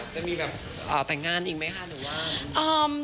จะมีแบบแต่งงานอีกไหมคะหรือว่า